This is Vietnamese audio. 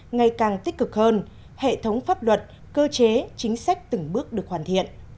ngày càng tích cực hơn hệ thống pháp luật cơ chế chính sách từng bước được hoàn thiện